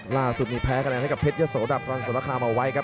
ล่าสุดมีแพ้คะแนนให้กับเพชรยะโสดับรังสรคามเอาไว้ครับ